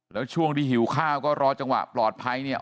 แล้วช่วงที่หิวข้าวก็รอจังหวะปลอดภัยเนี่ย